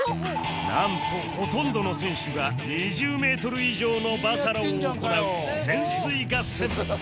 なんとほとんどの選手が２０メートル以上のバサロを行う潜水合戦